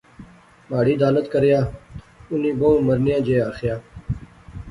مہاڑی دالت کریا۔۔۔ انیں بہوں مرنیاں جئے آخیا